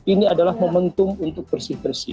ini adalah momentum untuk membuat peristiwa ini